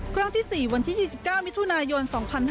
ครั้งที่๔วันที่๒๙มิถุนายน๒๕๕๙